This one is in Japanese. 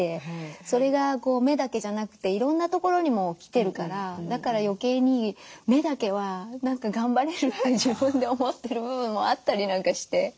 それが目だけじゃなくていろんなところにも来てるからだから余計に目だけは何か頑張れるって自分で思ってる部分もあったりなんかして。